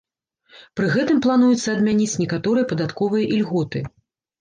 Пры гэтым плануецца адмяніць некаторыя падатковыя ільготы.